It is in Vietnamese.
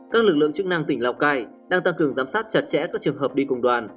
các lực lượng chức năng tỉnh lào cai đang tăng cường giám sát chặt chẽ các trường hợp đi cùng đoàn